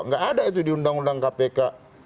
nggak ada itu di undang undang kpk